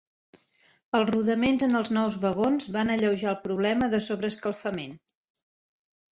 Els rodaments en els nous vagons van alleujar el problema de sobreescalfament.